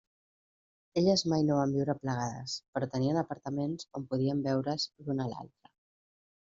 Elles mai no van viure plegades, però tenien apartaments on podien veure's l'una a l'altra.